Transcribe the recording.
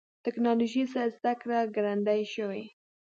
ټکنالوژي سره زدهکړه ګړندۍ شوې.